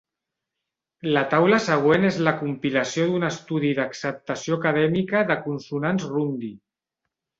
La taula següent és la compilació d'un estudi d'acceptació acadèmica de consonants Rundi.